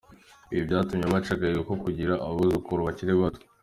Ibi byatumye baca agahigo ko kugira abuzukuru bakiri bato.